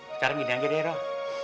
sekarang gini aja deh roh